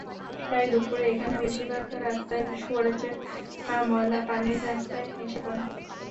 তাই দুপুরে এখানের বেশির ভাগ রাস্তায় সুয়ারেজের ময়লা পানি রাস্তায় এসে পড়ে।